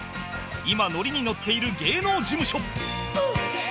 今ノリにノッている芸能事務所